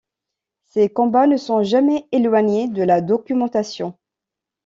Ses combats ne sont jamais éloignés de la documentation.